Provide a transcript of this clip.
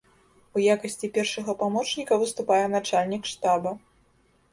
У якасці першага памочніка выступае начальнік штаба.